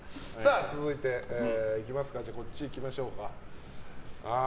続いて、こっちいきましょう。